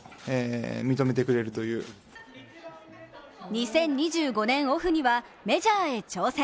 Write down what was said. ２０２５年オフにはメジャーへ挑戦。